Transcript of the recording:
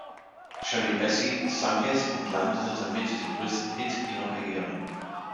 Shirley Bassey sang es und landete damit den größten Hit ihrer Karriere.